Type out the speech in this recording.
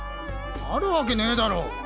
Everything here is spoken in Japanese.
あるわけねぇだろ。